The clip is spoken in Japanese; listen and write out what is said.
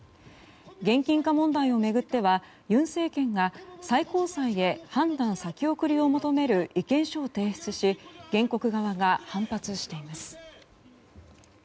現金化問題を巡っては尹政権が最高裁へ判断先送りを求める意見書を提出し原告側が反発しています。